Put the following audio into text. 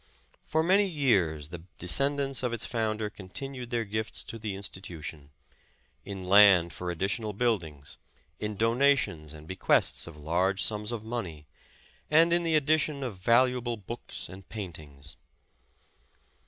For many years the descendants of its founder continued their gifts to the institution, — in land for additional buildings, in donations and bequests of large sums of money, and in the addition of valuable books and paintings.